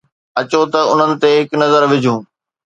اچو ته انهن تي هڪ نظر وجهون.